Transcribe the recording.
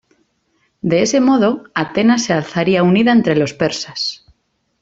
De ese modo, Atenas se alzaría unida ante los persas.